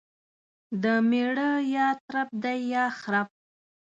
دميړه يا ترپ دى يا خرپ.